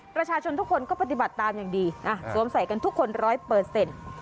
ประชาชนทุกคนก็ปฏิบัติตามอย่างดีนะสวมใส่กันทุกคนร้อยเปอร์เซ็นต์